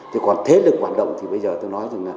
thế còn thế lực phản động thì bây giờ tôi nói